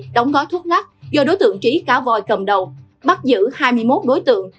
đóng gói thuốc lắc do đối tượng trí cá voi cầm đầu bắt giữ hai mươi một đối tượng